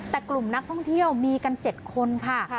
แต่กลุ่มนักท่องเที่ยวมีกัน๗คนค่ะ